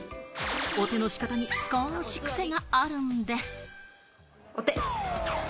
お手の仕方に少しクセがあるんです。